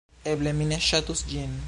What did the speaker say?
Eble, mi ne ŝatus ĝin